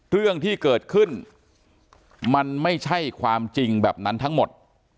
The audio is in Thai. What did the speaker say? เรื่องที่เกิดขึ้นมันไม่ใช่ความจริงแบบนั้นทั้งหมด